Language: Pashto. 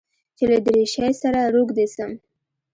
چې له دريشۍ سره روږدى سم.